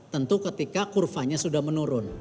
tentu ketika kurvanya sudah menurun